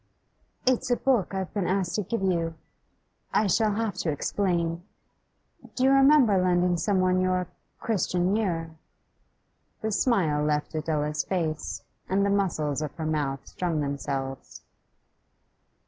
'It's a book I have been asked to give you. I shall have to explain. Do you remember lending someone your "Christian Year"?' The smile left Adela's face, and the muscles of her mouth strung themselves.